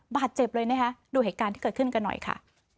บาดเจ็บเลยนะคะดูเหตุการณ์ที่เกิดขึ้นกันหน่อยค่ะ